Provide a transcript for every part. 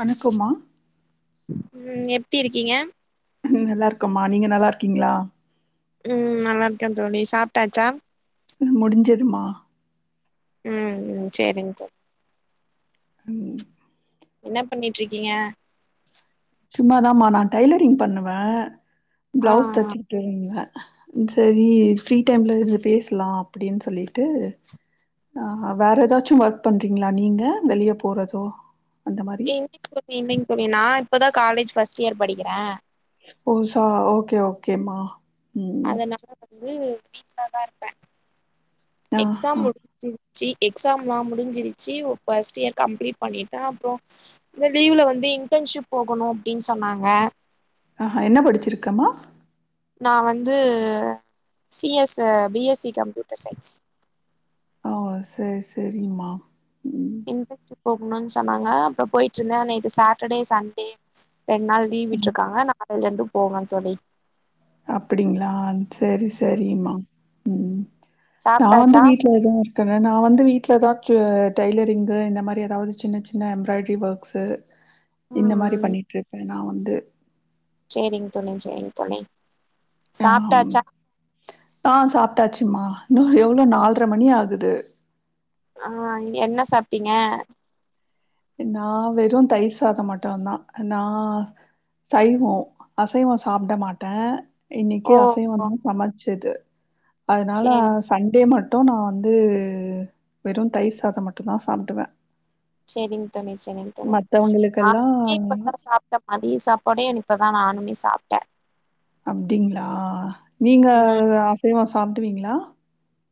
வணக்கோம்மா ம் எப்டி இருக்கீங்க ம் நல்லா இருக்கோம்மா நீங்க நல்லா இருக்கீங்களா ம் நல்லா இருக்கேன் தோழி சாப்ட்டாச்சா ம் முடிஞ்சதும்மா ம் சேரிங்க தோழ் ம் ன்ன பண்ணிட்ருக்கீங்க சும்மாதாம்மா நான் டைலரிங் பண்ணுவே பிளவுஸ் தச்சு ங்கள செரி ஃப்ரீ டைம்ல இதுல பேசலா அப்பிடின்னு சொல்லிட்டு ஆ வேற எதாச்சும் ஒர்க் பண்றீங்களா நீங்க வெளிய போறதோ இல்லேங்க தோழி இல்லேங்க தோழி நா இப்பதா காலேஜ் ஃபஸ்ட் இயர் படிக்கிறே ஓ சா ஓகே ஓகேமா ம் அதனால வந்து வீட்ல தா இருப்பே எக்ஸாம் முடிஞ்சு ச்சி எக்ஸாம்லாம் முடிஞ்சிருச்சு ஃபர்ஸ்ட் இயர் கம்ப்ளீட் பண்ணிட்டேன் அப்புறம் இந்த லீவ்ல வந்து இன்டர்ன்ஷிப் போகணும் அப்டின்னு சொன்னாங்க ஆஹ என்ன படிச்சிருக்கமா நா வந்து C S B Sc computer science ஓ செரி செரிங்கம்மா ம் இன்டர்ன்ஷிப் போகணும்ன்னு சொன்னாங்க அப்புறோம் போயிட்டுருந்தேன் நேத்து சாட்டர்டே சண்டே ரெண்டு நாள் லீவ் விட்டுருக்காங்க நாளலே இருந்து போகனு தோழி அப்பிடிங்களா சேரி சேரிம்மா ம் நான் வந்து வீட்டுலேதா இரு கே நா வந்து வீட்ல தா டெய்லரிங்கு இந்த மாதிரி ஏதாவது சின்ன சின்ன எம்ப்ராய்ட்ரி ஒர்க்ஸு இந்த மாரி பண்ணிட்டு இருப்பேன் நா வந்து சேரிங்க தோழி சேரிங்க தோழி சாப்ட்டாச்சா ஆ சாப்ட்டாச்சும்மா இன்னும் எவ்ளவு நால்ர மணி ஆகுது ஆ என்ன சாப்ட்டீங்க நா வெறும் தயிர் சாதம் மட்டுந்தான் நா சைவோ அசைவோ சாப்ட மாட்டேன் இன்னைக்கு அசைவமும் சமச்சது அதனால அச சண்டே மட்டும் நா வந்து வெறும் தயிர் சாதம் மட்டும்தா சாப்டுவேன் செரிங்க தோழி செரிங்க தோழி நாளைக்கே இப்போ [inaudible] [unintelligible] மதிய சாப்பாடே இப்பதா நானுமே சாப்ட்டே அப்டிங்களா நீங்க அசைவொ சாப்ட்டுவீங்களா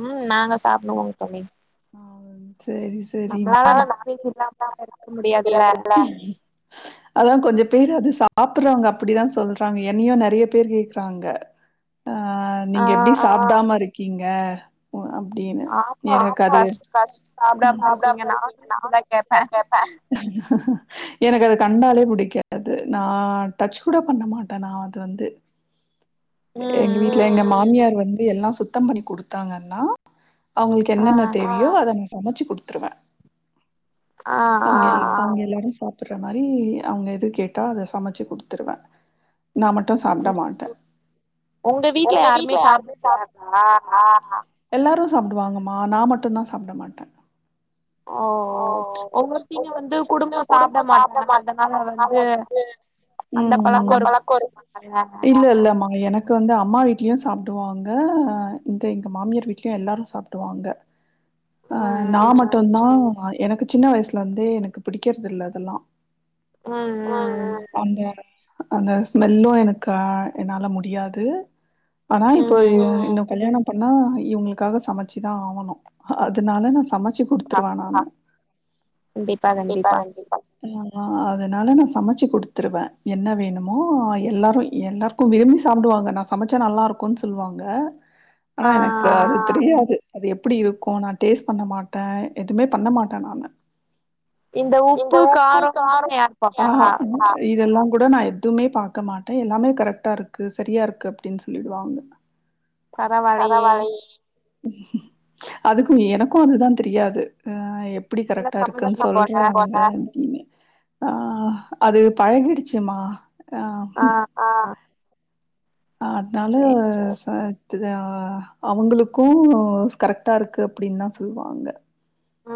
உம் நாங்க சாப்டுவோ தோழி ஆ செரி செரி அதா கொஞ்சம் பேர் அது சாப்ட்றவங்க அப்டிதா சொல்றாங்க என்னையோ நிறைய பேர் கேக்குறாங்க அ நீங்க எப்டி சாப்டாம இருக்கீங்க [unintelligible] அப்டின்னு எனக்கு அது ம் எனக்கு அது கண்டாலே பிடிக்காது நா டச் கூட பண்ண மாட்டேன் நா அது வந்து எங்க வீட்டுல எங்க மாமியார் வந்து எல்லாம் சுத்தம் பண்ணி குடுத்தாங்கன்னா அவங்களுக்கு என்னென்ன தேவ யோ அத நா சமைச்சு குடுத்துருவே அவிங்க அவிங்க எல்லாரு சாப் சாப்புட்ற மாதிரி அவங்க எதும் கேட்டா அத சமச்சி குடுத்துருவேன் நா மட்டும் சாப்ட மாட்டேன் ஒங்க வீட்ல யாருமே சாப் [inaudible] எல்லோாரும் சாப்டுவாங்கம்மா நா மட்டும்தா சாப்ட மாட்டேன் ஓ ஓ [unintelligible] வந்து குடும்பம் சாப்பிட மாட்டங்க அதனால வந்து உம் இல்ல இல்லமா எனக்கு எனக்கு வந்து அம்மா வீட்லேயும் சாப்டுவாங்க இங்கே எங்க மாமியார் வீட்லயும் எல்லாரும் சாப்டுவாங்க அ நா மட்டும்தா ஆ எனக்கு சின்ன வயசுலருந்தே எனக்கு பிடிக்கிறது இல்ல அதெல்லாம் அந்த அந்த ஸ்மெல்லும் எனக்கு என்னால முடியாது ஆனா இப்போ இவுங் இந்த கல்யாணம் ப்பனா இவுங்களுக்காக சமைச்சிதான் ஆவணும் அதனால நா சமச் ச்சு குடுத்துருவே நா நா ஆ அதனால நா சமைச்சு குடுத்துருவேன் என்ன வேணுமோ எல்லாரும் எல்லா விரும்பி சாப்பிடுவாங்க நா சமைச்ச நல்லா இருக்கும்ன்னு சொல்லுவாங்க ஆனா எனக்கு அது தெரியாது அது எப்டி இருக்கும் நா டேஸ்ட் பண்ண மாட்டேன் எதுவுமே பண்ண மாட்டேன் நானு இந்த உப்பு காரொ [unintelligible] இதெல்லாம் கூட நா எதுவுமே பார்க்க மாட்டேன் எல்லாமே கரெக்டா இருக்கு சரியா இருக் கு அப்பிடின்னு சொல்லிடுவாங்க அதுக்கு எனக்கு அதுதா தெரியாது அ எப்டி கரெக்ட்டா இருக்குன் சொல்ற ம் ஆ அது பழகீடுச்சுமா அ ம் அ அத்னால சா ப்டுதா அவங்களுக்கு ஸ் கரெக்ட்டா இருக்கு அப்டின் தா சொல்வாங்க அ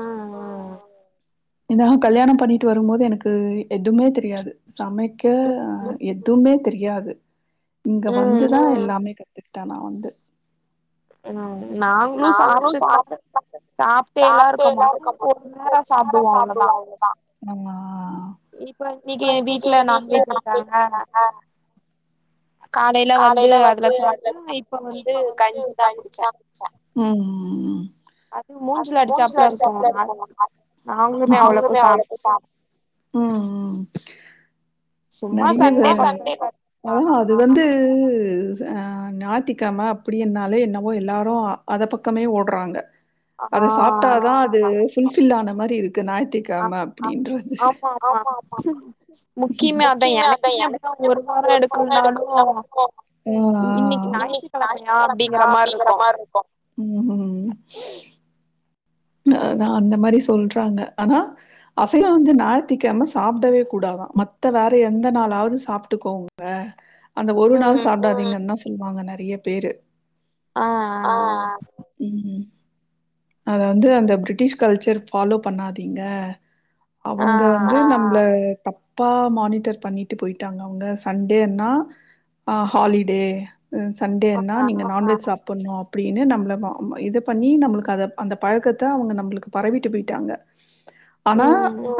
இன்னமு கல்யாணம் பண்ணீட்டு வரும்போது எனக்கு எதுமே தெரியாது சமைக்க அ எதுமே தெரியாது இங்க வந்துதா எல்லாமே கத்துக்கிட்டே நா வந்து ஆ நாங்களு சாப்ட்டு [inaudible] சாப்ட்டேல்லா இருக்க மாட்டோ [inaudible] [inaudible] சாப்பிட்ல அவ்ளோ தா இப்ப இன்னிக்கி வீட்ல [inaudible] டாங்க காலைல வந்து அந்த [inaudible] இப்ப வந்து கஞ்சி தா குடிச்ச ம் அது மூஞ்சீல அடிச்சாப்ல இருக்குல்லங்க நாங்களுமே அவ்ளோக்கு சாப் ம் ம் நெறைய வே அ அது வந்து அ ஞாய்த்திக்கெழ்ம அப்பிடின்னாலே என்னவோ எல்லாரு அத பக்கமே ஓட்றாங்க அத சாப்ட்டாதா அது ஃபுல்ஃபில் ஆன மாரி இருக்கு ஞாய்த்தி க்கெழ்ம அப்டின்றது கீய்மா அதா எனக்குமே அப்டி தா ஒரு வாரோ எடுக்காம இருந்தா கூட [inaudible] இன்னிக் ஞாய்த்கெழமையா அப்டிங்கற மார்ருக்கு ம் அதா அந்த மாரி சொல்றாங்க ஆனா அசைவோ வந்து ஞாய்த்திக்கெழம சாப்டவே கூடாதா மத்த வேற எந்த நாளாவ்து சாப்ட்டுக்கோங்க அந்த ஒரு நாள் சாப்டாதீங்கன் தா சொல்வாங்க நெறைய பேரு ம் இது அந்த ப்ரிட்டிஷ் கல்ச்சர் ஃபாலோ பண்ணாதீங்க அவங்க வந்து நம்ள தப் பா மானிட்டர் பண்ணிட்டு போய்ட்டாங்க அவுங்க சண்டேனா அ ஹாலிடே ம் சண்டேனா நீங்க நான்வெஜ் சாப்பட்ணு அப்டினு நம்ம ம் இத பண்ணி நம்ளுக்கு அத அந்த பழக்கத்த அவுங்க நம்ளுக்கு பரவிட்டு போய்ட்டாங்க ஆனா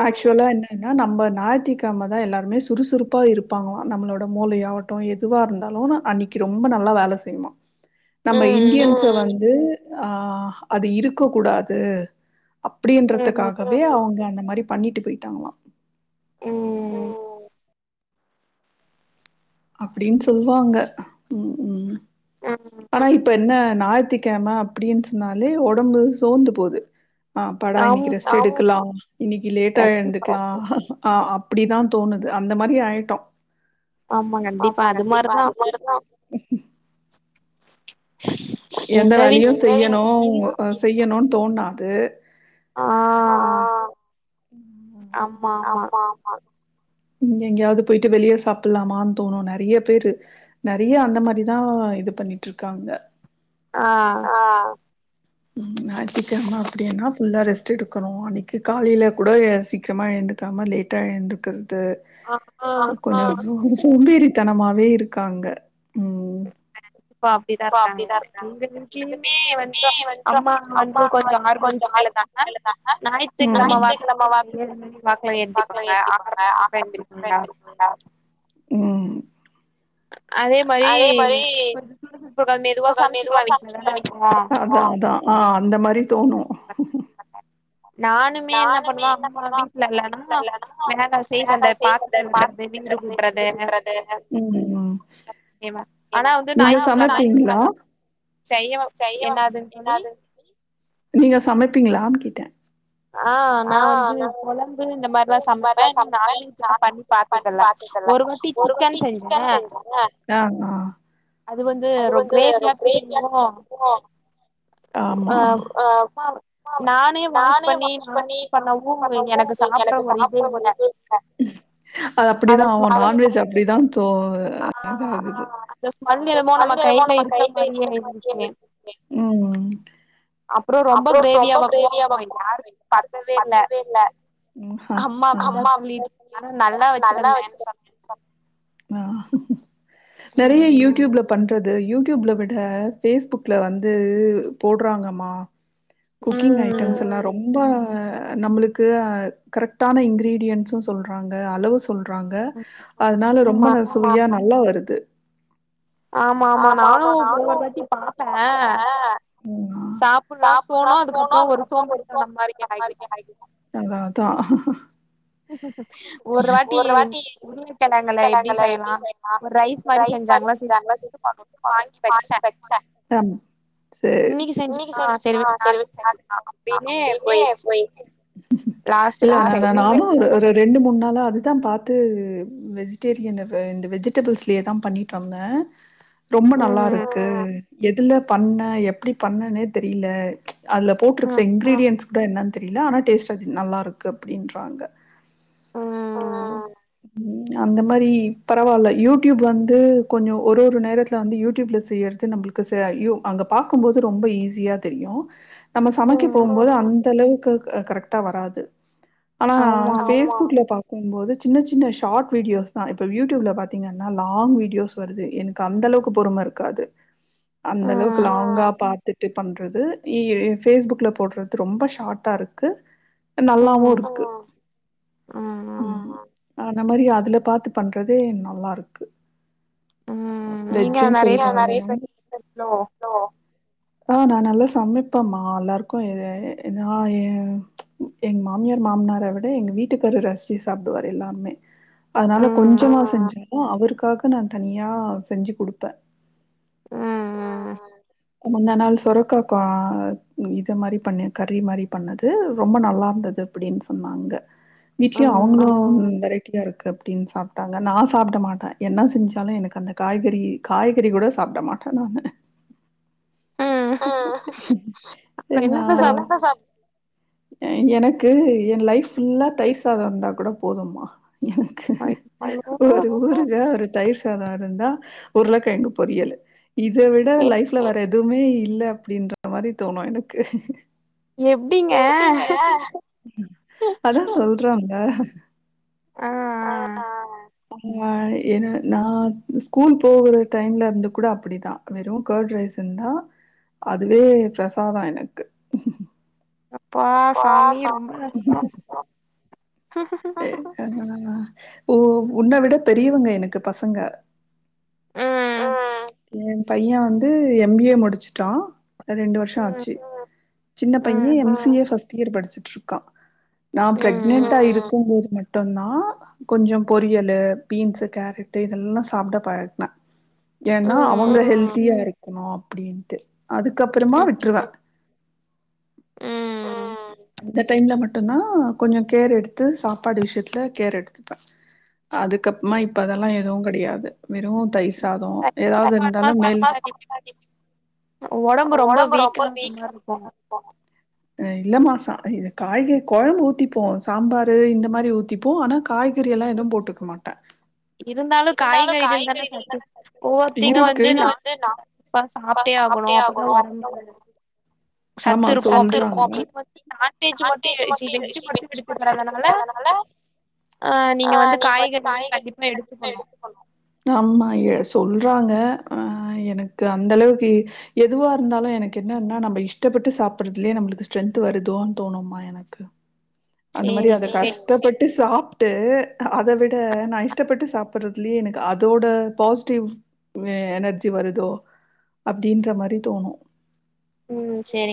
ஆக்சுலா என்ன ஏனா நம்ப ஞாய்த்திக்கெழ்ம தா எல்லாருமே சுறுசுறுப்பா இருப்பாங்களா நம்ளோட மூளையாவட் டு எதுவா இருந்தாலு அன்னிக்கி ரொம்ப நல்லா வேல செய்மா நம்ம இண்டியன்ஸ வந்து ஆ அது இருக்க கூடாது அப்டின்றதுக்காகவே அவுங்க அந்த மாரி பண்ணீட்டு போய்ட்டாங்களா ம் அப்டின் சொல்வாங்க ம் ஆனா இப்ப என்ன ஞாய்த்திக்கெழம அப்பிடின் சொன்னாலே ஒடம்பு சோந்து போது அப்பாடா இன்னிக்கி ரெஸ்ட் எடுக்கலாம் இன்னிக்கி லேட்டா எழ்ந்து க்லா அ அப்பிடிதா தோணுது அந்த மாரி ஆய்ட்டோ ஆமா கண்டிப்பா அது மாரி தா எந்த வேலையு செய்யணு அ செய்யணுன் தோணாது ஆ ஆமா ஆமா இங்க எங்கயாவது போயிட்டு வெளியே சாப்பிடலாமான்னு தோணும் நிறைய பேரு நிறைய அந்த மாதிரிதான் இது பண்ணிட்டு இருக்காங்க ஆ ஆ அப்படின்னா ஃபுல்லாக ரெஸ்ட் எடுக்கணும் அன்னைக்கு காலையில் கூட சீக்கிரம் சிக்கிறமா எழுந்துரிக்காம லேட்டா எழுந்துக்கிறது [unintelligible] சோம்பேரி த்தனமாவே இருக்காங்க இப்ப அப்படிதான் இருக்காங்க எங்க வீட்டிலுமே வந்து அம்மா வந்து கொஞ்சமா [unintelligible] ஞாயித்துக்கிழம வாக்குல வாக்குல எந்திப்பாங்க [unintelligible] ம் அதேமாறி [unintelligible] மெதுவா சமைச்சுக்கலாம் வீட்ல தானே இருக்கோம் அதான் அதான் ஆ அந்த மாறி தோணும் நானுமே என்ன பண்ணுவன் அம்மா வீட்டுல இல்லனா வேல செய்வன் அந்த பாத்த ளக்கறது வீடு கூட்டுறது செய்வன் ஆனா வந்து ஞாயித்துக்கிழம செய் நீங்க சமைப்பீங்களான்னு கேட்டேன் ஆ நா வந்து கொழும்பு அந்த மாதிரி எல்லாம் சமைப்பேன் [unintelligible] பண்ணி பாத்துதல்ல ஒரு வாட்டி சிக்கன் செஞ்சேன் அது வந்து ஒரு கிரேவியாட்ட செய்யவும் நானே மேனேஜ் பண்ணி நானே பண்ணவும் எனக்கு சாப் அது அப்படிதான் ஆவும் நான்வெஜ் அப்படிதான் கோ இத ஆகுது ம் அப்புறம் ரொம்ப கிரேவியா வெக்கவும் யாருக்குமே பத்தவே இல்ல அம்மா அப்படிதான் சொல்லிட்டு இருந்தாங்க ஆனா நல்லா வச்சிரு ஆ நெறைய யூடியூப்ல பண் றது யூடியூப்ல விட பேஸ்புக்ல வந்து போடுறாங்கமா குக்கிங் ஐட்டம்ஸ் எல்லாம் ரொம்ப நம்மளுக்கு க்கு கரெக்டான இன்கிரீடியன்ஸும் சொல்றாங்க அளவு சொ சொல்றாங்க அதனால ரொம்ப நசுவையா நல்லா வருது ஆமா ஆமா நானும் போதாட்டி பாத்தேன் சாப்பிடலாம் தோணும் அதுக்கப்புறம் ஒரு சோம்பேறி தனம் மாதிரி ஆயிடும் அதான் ஒரு வாட்டி புரி கிழங்குல எப்படி செய்யலாம் ரைஸ் மாதிரி செஞ்சாங்க வாங்கி வச்சேன் இன்னைக்கு செஞ்சுக்கலாம் சரி விடு நாளைக்கு செஞ்சுக்கலாம் அப்படின்னு போயிடுச்சு இல்ல நா நா நானும் ஒரு ரெண்டு மூணு நாள அதுதான் பாத்து வெஜிடேரியன் இந்த வெஜிடபிள்ஸ்லயேதான் பண்ணிட்டு வந்தேன் ரொம்ப நல்லா இருக்கு எதுல பண்ண எப்படி பண்ணனே தெரில அதுல போட்டிருக்கற இன்கிரீடியன்ட்ஸ் கூட என்னன்னு தெரியல ஆனா டேஸ்ட் அது நல்லா இருக்கு அப்படின்றாங்க அந்த மாறி பரவால்ல யூடியூப் வந்து கொஞ்சோ ஒரு ஒரு நேரத்தில வந்து யூடியூபில் செய்யிறது நம்மளுக்கு ச யூ அங்க பாக்கும்போது ரொம்ப ஈஸியா தெரியும் நம்ம சமைக்க போகும்போது அந்த அளவுக்கு கரெக்ட் வராது ஆனா பேஸ்புக்ல பாக்கு போது சின்ன சின்ன ஷார்ட் வீடியோஸ் தான் இப்ப யூடியூப்ல பாத்தீங்கன்னா லாங் வீடியோஸ் வருது எனக்கு அந்த அளவுக்கு பொறும இருக்காது அந்த அளவுக்கு லாங்கா பாத்துட்டு பண்ட் இது பேஸ்புக்ல போட்றது ரொம்ப ஷார்ட்டா இருக்கு நல்லாவு இருக்கு ம் அந்த மாரி அதுல பாத்து பண்றது நல்லா இருக்கு வெஜ்ஜுனு சொல்லிட்டு [unintelligible] நோ அ நா நல்லா சமைப்பம்மா எல்லாருக்கு நா ஏ எங்க மாமியார் மாமனார்ரர விட எங்க வீட்டுக்காரு ரசிச்சு சாப்டுவாரு எல்லாமே அதனால கொஞ்சமா செஞ்சாலு அவருக்காக நா தனியா செஞ்சு குடுப்பே அ அ அ முந்த நாள் சொரக்காகா இது மாரி பண்ணே கறி மாரி பண்ணது ரொம்ப நல்லாருந்துது அப்டின்னு சொன்னாங்க வீட்லயு அவுங்ளு வெரைட்டியா இருக்கு அப்டின்னு சாப்ட்டாங்க நா சாப்ட மாட்டே என்ன செஞ்சாலு எனக்கு அந்த காய்கறி காய்கறி கூட சாப்ட மாட்டே நானு அ அப்றோ என்னதா சாப் எனக்கு என் லைப் ஃபுல்லா தயிர் சாதோ இருந்தா கூட போதுமா ஒரு ஊறுக ஒரு தயிர் சாதோ இருந்தா உருழக் கெழங்கு பொரியலு இத விட லைஃப்ல வேற எதுமே இல்ல அப்டின்ற மாரி தோணு எனக்கு எப்டீங்க அதா சொல்றல்ல அ அ அ அ ஏ நா ஸ்கூல் போகுற டைம்ல இருந்து கூட அப்டிதா வெறு ஃகேட் ரைஸ் இருந்தா அதுவே பிரசாதோ எனக்கு அப்பா சாமி ரொம்ப கஷ்டோ ஓ உன்ன விட பெரியவங்க எனக்கு பசங்க ம் எ பைய வந்து எம் பி ஏ முடிச்சுட்டா ரெண்டு வர்ஷோ ஆச்சு சின்ன பைய M C A first year படிச்சிட்டு இருக்கா நா பிரெக்னன்டா இருக்கும்போது மட்டுந்தா கொஞ்சோ பொரியல்லு பீன்ஸ்ஸு கேரட்டு இதெல்லா சாப்ட பழகுனா ஏன்னா அவுங்க ஹெல்தியா இருக்கணு அப்டின்ட்டு அதுக்கப்றமா விட்ருவே அந்த டைம்ல மட்டுந்தா கொஞ்சோ கேர் எடுத் து சாப்பாடு விஷயத்துல கேர் எடுத்துப்பே அதுக்கப்றமா இப்ப அதெல்லா எதுவு கெடையாது வெறு தயிர் சாதோ ஏதாவ்து இருந்தாலு மேல் ஒடம்பு ரொம்ப வீக்கா இருக்க மாரி இருக்குங்க அ இல்லமா ச இ காய்கறி கொழம்பு ஊத்திப்போ சாம்பாரு இந்த மாரி ஊத்திப்போ ஆனா காய்கறி எல்லா எதுவு போட்டுக்க மாட்டே இருந்தாலு காய்கறிகள் தானே சத்து இருக்கு [unintelligible] நீங்க வந்து பா சாப்ட்டே ஆகணு அப்பதா [unintelligible] ஆமா சொல்றாங்க அ நீங்க வந்து காய்கறிகள்ளா கண்டிப்பா எடுத்துக்கணு ஆமா சொல்றாங்க எனக்கு அந்தளவுக்கு எதுவா இருந்தாலு எனக்கு என்னன்னா நம்ப இஷ்டப்பட்டு சாப்புட்றதுலேயே நம்ளுக்கு ஸ்டென்த் வருதோனு தோணுமா எனக்கு அந்த மாரி அது கஷ்டப்பட்டு சாப் ட்டு அத விட நா இஷ்டப்பட்டு சாப்புட்றதுலயே எனக்கு அதோட பாசிட்டிவ் வெ எனர்ஜி வருதோ அப்டின்ற மாரி தோணு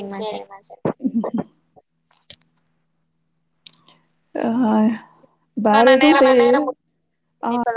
ம் சேரிங்ணா சேரி [unintelligible]